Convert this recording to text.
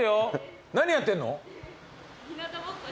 何やってんの？